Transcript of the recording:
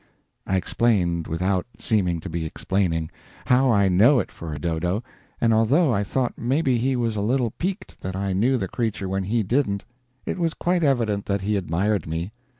I explained without seeming to be explaining how I know it for a dodo, and although I thought maybe he was a little piqued that I knew the creature when he didn't, it was quite evident that he admired me.